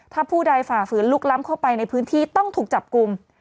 ถ้าผู้ใดฝ่าฝืนลุกล้ำเข้าไปในพื้นที่ต้องถูกจับกลุ่ม